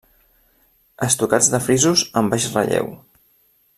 Estucats de frisos en baix relleu.